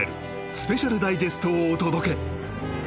スペシャルダイジェストをお届け